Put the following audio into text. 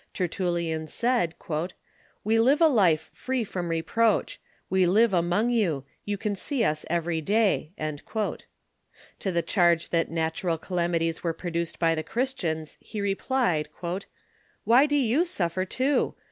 Tertullian said: " We live a life free from reproach. We live among you. You can see us ever}' day." To the charge that national ca lamities were produced by the Christians, he replied: " Why do you suffer too